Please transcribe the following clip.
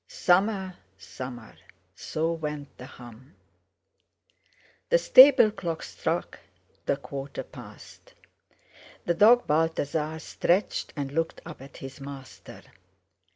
Summer—summer! So went the hum. The stable clock struck the quarter past. The dog Balthasar stretched and looked up at his master.